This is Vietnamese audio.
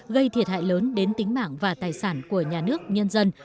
gây thiệt hại lớn đến tính mạng và tài sản của nhà nước nhân dân